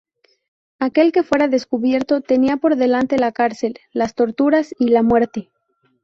Aquel que fuera descubierto tenía por delante la cárcel, las torturas y la muerte.